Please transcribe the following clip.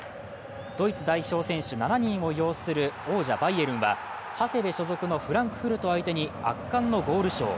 ドイツ代表選手７人を擁する王者・バイエルンは長谷部所属のフランクフルト相手に圧巻のゴールショー。